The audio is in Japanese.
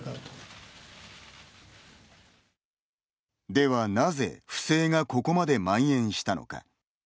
ではなぜ、不正がここまでまん延したのか。